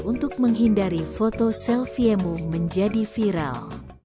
untuk menghindari foto selfie mu menjadi viral